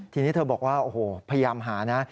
ทีนี้เธอบอกว่าโอ้โหพยายามหานะ